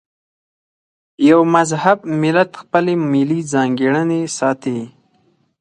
یو مهذب ملت خپلې ملي ځانګړنې ساتي.